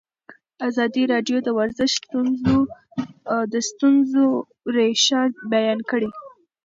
ازادي راډیو د ورزش د ستونزو رېښه بیان کړې.